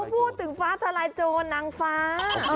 พูดถึงฟ้าทลายโจรนางฟ้า